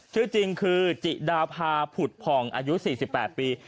ชื่อจริงคือจิดาพาผุดผ่องอายุ๔๘ปี